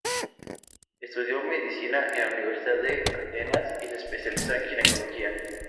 Estudió medicina en la Universidad de Atenas y se especializó en ginecología.